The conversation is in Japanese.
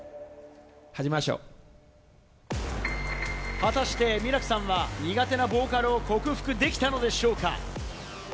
果たしてミラクさんは、苦手なボーカルを克服できたのでしょうか？